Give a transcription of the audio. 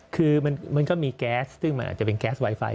คือมันก็มีแก๊สซึ่งมันอาจจะเป็นแก๊สไวไฟ